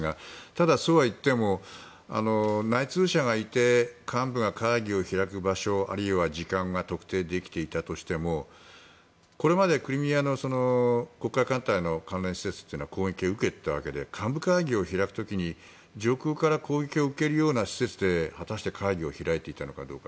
ただ、そうはいっても内通者がいて幹部が会議を開く場所あるいは時間が特定できていたとしてもこれまでクリミアの黒海艦隊の関連施設は攻撃を受けていたわけで幹部会議を開く時に上空から攻撃を受けるような施設で果たして会議を開いていたのかどうか。